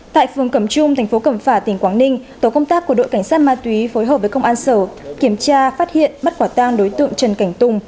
tại phường cẩm trung thành phố cẩm phả tỉnh quảng ninh tổ công tác của đội cảnh sát ma túy phối hợp với công an sở kiểm tra phát hiện bắt quả tang đối tượng trần cảnh tùng